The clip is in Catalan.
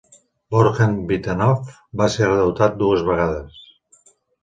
Borjan Vitanov va ser derrotat dues vegades.